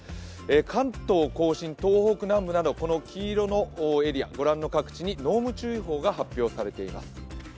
関東甲信、東北南部など黄色のエリアご覧の各地に濃霧注意報が発表されています。